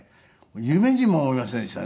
夢にも思いませんでしたね